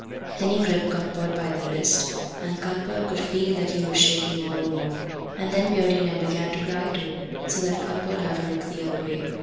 Then he gripped Cuthbert by the wrist, and Cuthbert could feel that he was shaking all over; and then Beardy Ned began to cry too, so that Cuthbert had to look the other way.